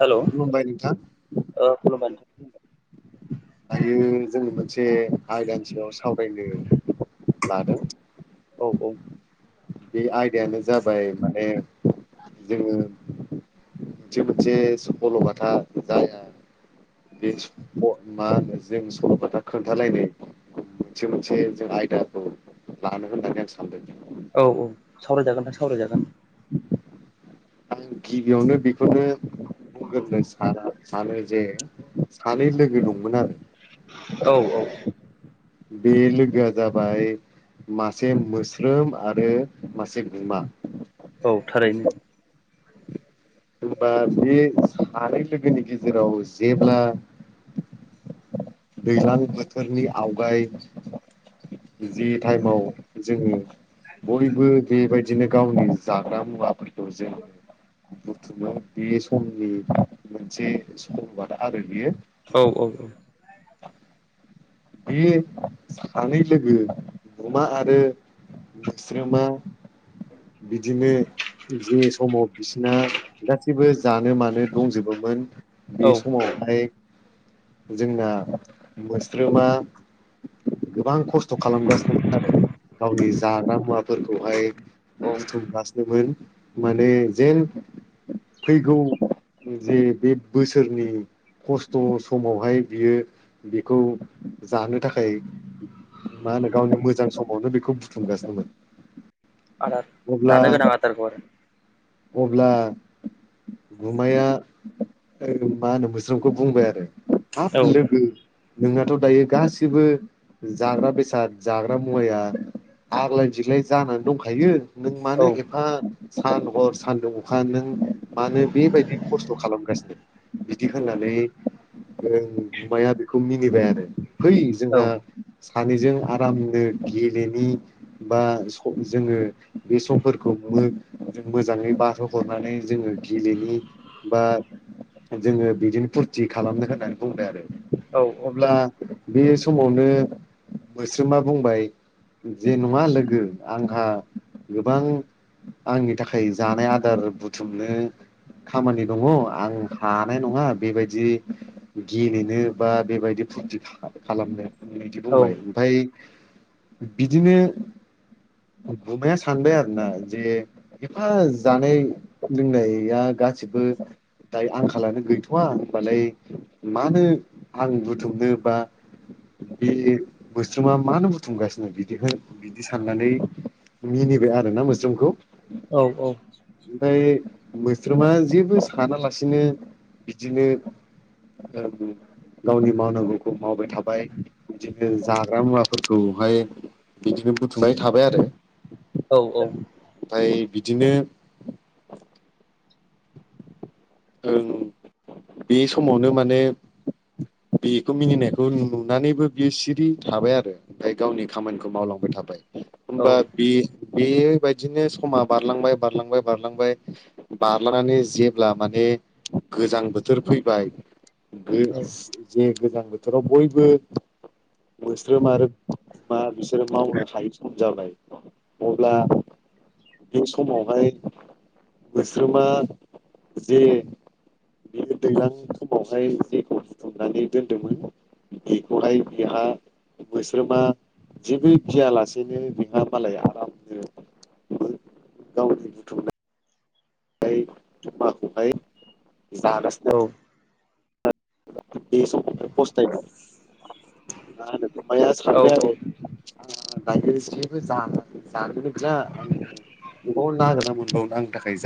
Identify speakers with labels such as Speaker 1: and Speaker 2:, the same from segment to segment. Speaker 1: Hello
Speaker 2: खुलुमबाय नोंथां
Speaker 1: ओ खुलुमबाय नोंथां खुलुमबाय।
Speaker 2: दायो जोंनि मोनसे आयदानि सायाव सावरायनो लादों।
Speaker 1: औ औ
Speaker 2: बे आयदायानो जाबाय माने जोङो मोनसे मोनसे सल'बाथा जाया बे मा होनो जों सल' खोथा खोन्थालायनो मोनसे मोनसे जों आयदाखौ लानो होननानै आं सानदों।
Speaker 1: औ औ सावरायजागोन नोंथां सावरायजागोन।
Speaker 2: आं गिबियावनो बेखौनो बुंग्रो सानो। सानो जे सानै लोगो दंमोन आरो
Speaker 1: औ औ
Speaker 2: बे लोगोआ जाबाय मासे मोस्रोम आरो मासे गुमा
Speaker 1: औ थारैनो।
Speaker 2: होनबा बे सानै लोगोनि गेजेराव जेब्ला दैज्लां बोथोरनि आवगाय जि टाइमाव जोङो बयबो बेबायदि बिबदिनो गावनि जाग्रा मुवाफोखौ जोङो [unintelligible] बे समनि मोनसे समबाद आरो बियो।
Speaker 1: औ औ औ
Speaker 2: बे सानै लोगो अमा आरो मोस्रोमा बिदिनो जे समाव बिसिना जेबो जानो मानो दंजोबोमोन बे
Speaker 1: औ
Speaker 2: समावहाय जोंना मोस्रोमा गोबां खस्थ' खालामगासिनोमोन आरो गावनि जाग्रा मुवाफोरखौहाय
Speaker 1: औ
Speaker 2: बुथुमगासिनोमोन। माने जेन फैगौ जे बे बोसोरनि खस्थ' समावहाय बियो बेखौ जानो थाखाय मा होनो गावनि मोजां समावनो बेखौ बुथुमगासिनोमोन।
Speaker 1: आदार
Speaker 2: अब्ला
Speaker 1: जानो गोनां आदारखौ आरो
Speaker 2: अब्ला गुमाया मा होनो मोस्रोमखौ बुंबाय आरो
Speaker 1: औ
Speaker 2: हाब लोगो नोंनाथ' दायो गासिबो जाग्रा बेसाद जाग्रा मुवाया आग्लाय बिग्लाय जानानै दंखायो। नों
Speaker 1: औ
Speaker 2: मानो एफा सान हर सानदुं अखा नों मानो बेबायदि खस्थ' खालामगासिनो बिदि
Speaker 1: औ
Speaker 2: होननानै रों गुमाबाया बेखौ मिनिबाय आरो फै जोंहा सानैजों आरामनो गेलेनि बा जोङो बे समफोरखौ नो मोजाङै बारहो हरनानै जोङो गेलेनि बा जोङो बिदिनो फुरथि खालामनो होननानै बुंबाय आरो
Speaker 1: औ
Speaker 2: अब्ला बे समावनो मोस्रोमा बुंबाय जे नङा लोगो आंहा गोबां आंनि थाखाय खाय जानाय आदार बुथुमनो। खामानि दङ आं हानाय नङा बेबायदि गेलेनो बा बेबायदि बिदि खालामनो बिदि बुंबाय ओमफ्राय बिदिनो गुमाया सानबाय आरोना जे एफा जानाय लोंनाया गासिबो दा आंखालानो गैथ'वा होनोमबालाय मानो आं बुथुमनो बा बे मोस्रोमा मानो बुथुमगासिनो बिदिखौ बिदि साननानै मिनिबाय आरो ना मोस्रोमखौ
Speaker 1: औ औ।
Speaker 2: ओमफ्राय मोस्रोमा जेबो सानालासिनो बिदिनो गावनि मावनांगौखौ मावबाय थाबाय बिदिनो जाग्रा मुवा खौहाय बिदिनो बुथुमबाय थाबाय आरो।
Speaker 1: औ औ।
Speaker 2: ओमफ्राय बिदिनो। ओं बे समावनो माने बेखौ मिनिनायखौ नुनानैबो बियो सिरि थाबाय आरो ओमफ्राय गावनि खामानिखौ मावलांबाय थाबाय। होनबा बे बेबायदिनो समा बारलांबाय बारलांबाय बारलांबाय बारलांनानै जेब्ला माने गोजां बोथोर फैबाय जे गोजां बोथोराव बयबो मोस्रोम आरो बिमा बिसोरो मावनो हायो जाबाय अब्ला बे समावहाय मोस्रोमा जे बेयो दैलां समावहाय जेखौ बुथुमनानै दोन्दोंमोन। बेखौहाय बिहा मोस्रोमा जेबो गिया लासेनो बेहा मालाय आरामनो गावनि बुथुमनाय माखौहाय जागासिनो बे सम फसथायनायाव मा होनो गुमाया सानबाय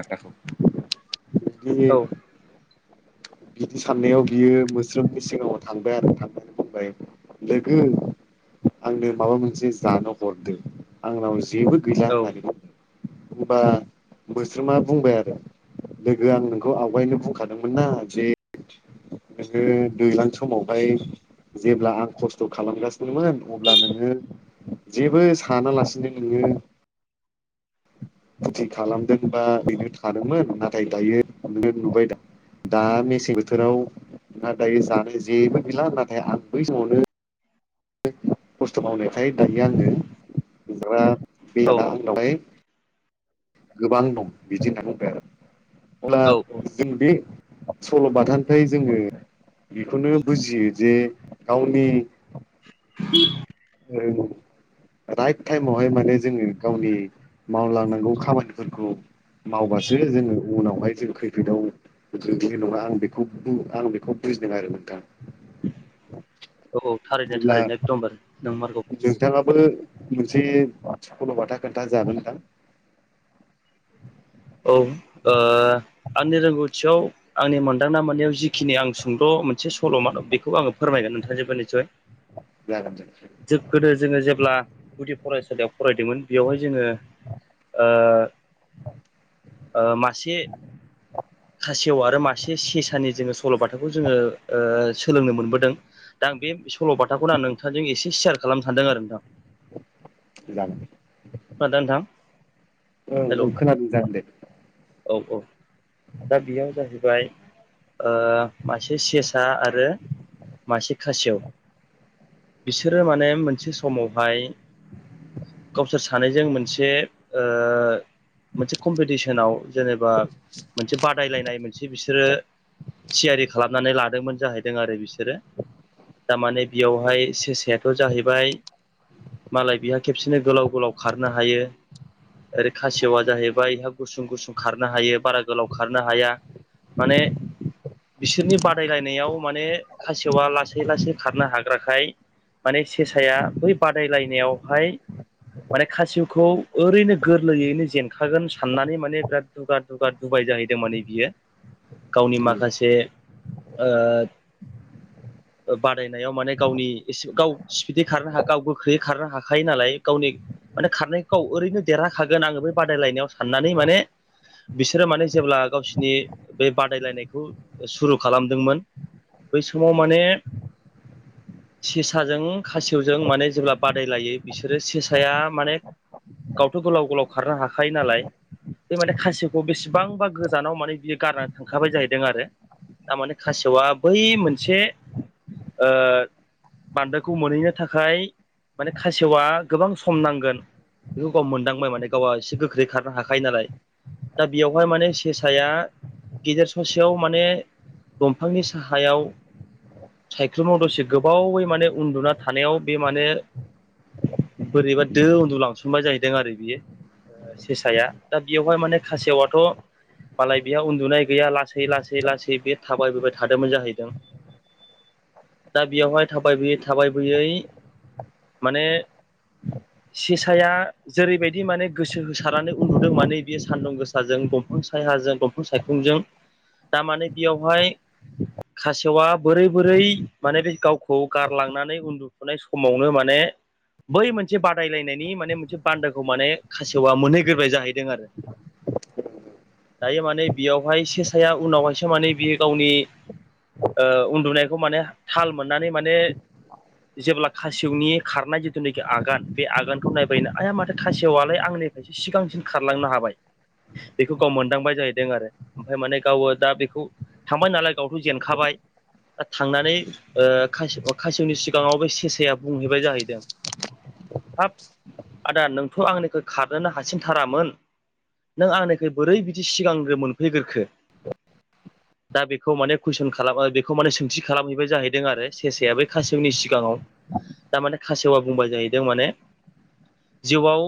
Speaker 2: आरो [inaudible] [inaudible] बिदि साननायाव बियो मोस्रोमनि सिगाङाव थांबाय आरो थांनानै बुंबाय लोगो आंनो माबा मोनसे जानो हरदो आंनाव जेबो गैला होननानै होनबा मोस्रोमा बुंबाय आरो। लोगो आं नोंखौ आवगायनो बुंखादोंमोन ना जे नो दैज्लां समावहाय जेब्ला आं खस्थ' खालामगासिनोमोन अब्ला नोङो जेबो साना लासिनो नोङो फुथि खालामदों बा ओरनो थादोंमोन नाथाय दायो नों नुबाय दा। दा मेसें बोथोराव ना दायो जानो जेबो गैला नाथाय आं बै समावनो खस्थ मावनायखाय दायो आङो गोबां दं बिदि होनना बुंबाय आरो अब्ला जों बे सल' बाथानिफ्राय जोङो बेखौनो बुजियो जे गावनि
Speaker 1: [inaudible]
Speaker 2: औ। राइट टाइमावहाय माने जोङो गावनि मावलांनांगौ खामानिफोरखौ मावबासो जोङो उनावहाय जों खैफोदाव नङा आं बेखौ आं बेखौ बुजिदों आरो नोंथां।
Speaker 1: औ औ थारैनो
Speaker 2: अब्ला
Speaker 1: थारैनो एकदमबार नोंमारगौ।
Speaker 2: नोंथाङाबो मोनसे सखल'बाथा खोन्था जागोन नोंथां। [inaudible]
Speaker 1: ओं ओ आंनि रोंगौथियाव आंनि मोनदांना मोननायाव जिखिनि आं सुंद' मोनसे सल'मा बेखौ आङो फोरमायगोन नोंथांजोंबो निसय
Speaker 2: जागोन दे
Speaker 1: गोदो जोङो जेब्ला गुदि फरायसालियाव फरायदोंमोन बेयावहाय जोङो- ओ ओ मासे खासेव आरो मासे सेसानि जोङो सल'बाथाखौ जोङो ओ सोलोंनो मोनबोदों। दा आं बे सल'बाथाखौनो आं नोंथांजों एसे सेयार खालामनो सानदों आरो नोंथां।
Speaker 2: जागोन दे
Speaker 1: खोनादोंना नोंथां
Speaker 2: ओं
Speaker 1: हेलौ
Speaker 2: ओं खोनादों जागोन दे।
Speaker 1: औ औ दा बेयाव जाहैबाय ओ मासे सेसा आरो मासे खासेव बिसोरो माने मोनसे समावहाय बिसोर सानैजों मोनसे ओ मोनसे कम्पिटिसनाव जेनेबा मोनसे बादायलायनाय मोनसे बिसोरो थियारि खालामनानै लादोंमोन जाहैदों आरो बिसोरो थारमाने बेयावहाय सेसायाथ' जाहैबाय मालाय बिहा खेबसेनो गोलाव गोलाव खारनो हायो। ओरै खासेवा जाहैबाय इहा गुसुं गुसुं खारनो हायो बारा गोलाव खारनो हाया माने बिसोरनि बादायलायनायाव माने खासेवा लासै लासै खारनो हाग्राखाय माने सेसाया बै बादायलायनायावहाय माने खासेवखौ ओरैनो गोरलैयैनो जेनखागोन साननानै माने बिराद दुगा दुगा दुबाय जाहै दों मोनै बियो गावनि
Speaker 2: ओं
Speaker 1: माखासे ओ
Speaker 2: [inaudible]
Speaker 1: ओ बादायनायाव माने गावनि एसे गाव स्पिदै खारनो हाखायो नालाय गाव गोख्रैयै खारनो हाखायो नालाय गावनि माने खारनायखौ ओरैनो देरहाखागोन आङो बे बादायलायनायाव साननानै माने बिसोरो माने जेब्ला गावसिनि बे बादायलायनायखौ सुरु खालामदोंमोन बै समाव माने सेसाजों खासेवजों माने जेब्ला बादायलायो बिसोरो सेसाया माने गावथ' गोलाव गोलाव खारनो हाखायो नालाय बे माने खासेवखौ बेसेबांबा गोजानाव माने बियो गार नानै थांखाबाय जाहैदों आरो थारमाने खासेव बै मोनसे ओ बान्दोखौ मोनहैनो थाखाय माने खासेवआ गोबां सम नां गोन बेखौ गाव मोनदांबाय माने गावा एसे गोख्रै खारनो हाखायो नालाय दा बेयावहाय माने सेसाया गेजेर ससेयाव माने दंफांनि साहायाव सायख्लुमाव दसे गोबावै माने उन्दुना थानायाव बे माने बोरैबा दो उन्दुलांसनबाय जाहैदों आरो बियो। ओ सेसाया दा बेयावहाय माने खासेवाथ' मालाय बिहा उन्दुनाय गैया लासै लासै लासै बे थाबायबोबाय थादोंमोन जाहैदों। दा बेयावहाय थाबायबोयै थाबायबोयै माने सेसाया जेरैबायदि माने गोसो होसारनानै उन्दुदों माने बे सान्दुं गोसाजों दंफां सायहाजों दंफां सायखंजों थार माने बेयावहाय खासेवा बोरै बोरै माने बे गावखौ गारलांनानै उन्दुफुनाय समावनो मा ने बै मोन से बादायलायनायनि माने मोनसे बान्दोखौ माने खासेवा मोनहैग्रोबाय जाहैदों आरो। दायो माने बियावहाय सेसाया उनावहायसो माने बियो गावनि ओ उन्दुनायखौ माने थाल मोननानै माने जेब्ला खासिवनि खारनाय जिथुनैखि आगान बे आगानखौ नायबायनो आइया माथो खासेवालाय आंनिफ्रायसो सिगांसिन खारलांनो हाबाय बेखौ गाव मोनदांबाय जाहैदों आरो ओमफाय माने गावो दा बेखौ थांबाय नालाय गावथ' जेनखाबाय दा थांनानै ओ खासेवनि सिगाङावबो सेसाया बुंहैबाय जाहैदों
Speaker 2: [unintelligible]
Speaker 1: हाब आदा नोंथ' आंनिखौ खारनोनो हासिनथारामोन नों आंनिखै बोरै बिदि सिगांग्रो मोनफैग्रोखो
Speaker 2: [unintelligible]
Speaker 1: दा बेखौ माने कुइसन खालामबाय बेखौ माने सोंथि खालामहैबाय जाहैदों आरो सेसाया बै खासेवनि सिगाङाव दा माने खासेवा बुंबाय जाहैदों माने जिउआव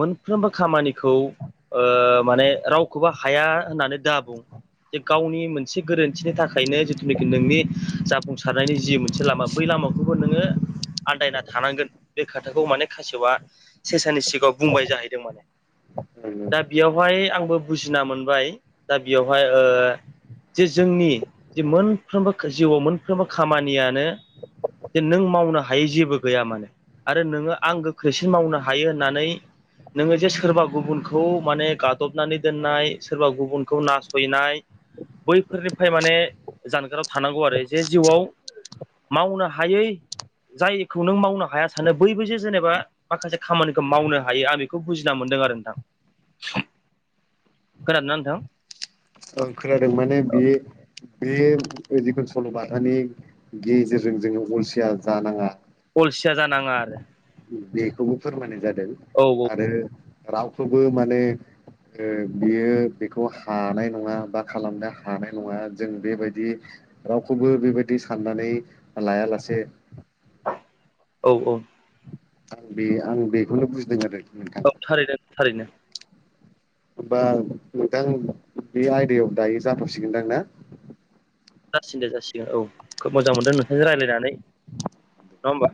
Speaker 1: मोनफ्रोमबो खामानिखौ ओ माने रावखौबो हाया होननानै दा बुं, जे गावनि मोनसे गोरोन्थिनि थाखायनो जिथुनिखि नोंनि जाफुंसारनायनि जि मोनसे लामा बै लामा लामाखौबो नोङो आन्दायना थानांगोन, ! बे खोथाखौ माने खासेबआ सेसानि सिगाङाव बुंबाय जाहैदों माने, !
Speaker 2: ओं ओं
Speaker 1: दा बियावहाय आंबो बुजिना मोनबाय दा बियावहाय ओ जे जोंनि जे मोनफ्रोमबो जिउआव मोनफ्रोमबो खामानियानो जे नों मावनो हायै जेबो गैया माने आरो नोङो आं गोख्रैसिन मावनो हायो होननानै नोङो जे सोरबा गुबुनखौ माने गादबनानै दोननाय सोरबा गुबुनखौ नासयनाय बैफोरनिफ्राय माने जानगाराव थानांगौ आरो जे जिउआव मावनो हायै जायखौ नों मावनो हायासै सानो बैयबोजे जेनेबा माखासे खामानिखौ मावनो हायो आं बेखौ बुजिना मोनदों आरो नोंथां।
Speaker 2: [inaudible]
Speaker 1: खोनादोंना नोंथां?
Speaker 2: ओं खोनादों माने बे बे जिखुन सल'बाथानि गेजेरजों जोङो अलसिया जानाङा
Speaker 1: अलसिया जानाङा आरो
Speaker 2: बेखौबो फोरमायनाय जादों
Speaker 1: औ
Speaker 2: आरो रावखौबो माने ओ बियो बेखौ हानाय नङा बा खालामनो हानाय नङा जों बेबायदि रावखौबो बेबायदि साननानै लायालासे
Speaker 1: औ औ,
Speaker 2: आं बे आं बेखौनो बुजिदों आरो नोंथां
Speaker 1: औ थारैनो थारैनो
Speaker 2: होमबा नोंथां बे आयदायाव दाङो जाथ'सिगोनदां ना?
Speaker 1: जासिग दे जासिगोन औ खोब मोजां मोनदों नोंथांजों रायज्लायनानै नङा होमबा